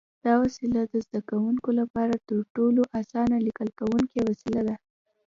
دا وسیله د زده کوونکو لپاره تر ټولو اسانه لیکل کوونکی وسیله ده.